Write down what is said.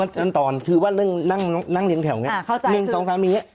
เช็กอย่างละเอียด